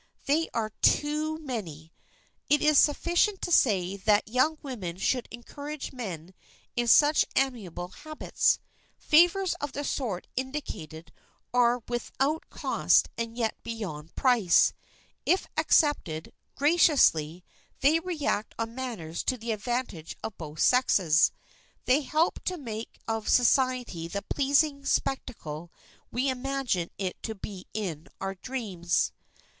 They are too many. It is sufficient to say that young women should encourage men in such amiable habits. Favors of the sort indicated are without cost and yet beyond price. If accepted graciously they react on manners to the advantage of both sexes. They help to make of society the pleasing spectacle which we imagine it to be in our dreams.